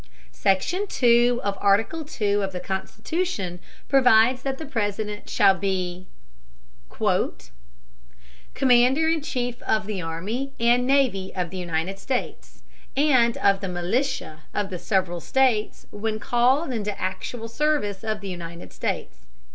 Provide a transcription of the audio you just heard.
Section II of Article II of the Constitution provides that the President shall be "commander in chief of the army and navy of the United States, and of the militia of the several states when called into actual service of the United States."